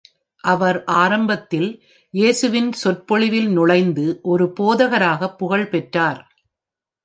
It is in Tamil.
அவர் ஆரம்பத்தில் இயேசுவின் சொற்பொழிவில் நுழைந்து ஒரு போதகராக புகழ் பெற்றார்.